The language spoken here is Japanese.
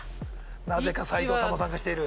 なぜか斎藤さんも参加している。